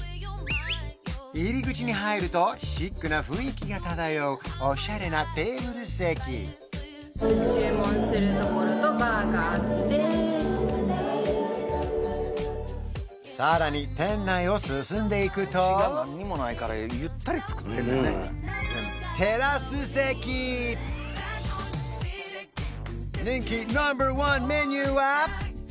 入り口に入るとシックな雰囲気が漂うオシャレなテーブル席さらに店内を進んでいくとテラス席人気ナンバーワンメニューは？